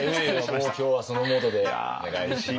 もう今日はそのモードでお願いします。